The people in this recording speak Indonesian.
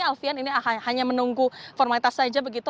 jadi alfian ini hanya menunggu formalitas saja begitu